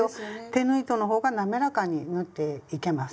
手縫い糸の方が滑らかに縫っていけます。